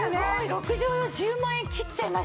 ６畳用１０万円切っちゃいましたね。